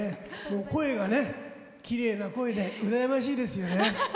声がきれいな声で羨ましいですよね。